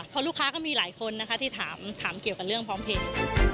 เพราะลูกค้าก็มีหลายคนนะคะที่ถามเกี่ยวกับเรื่องพร้อมเพลง